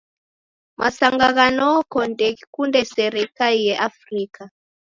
Masanga gha noko ndeghikunde sere ikaie Afrika.